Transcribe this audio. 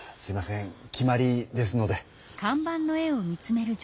決まりですので。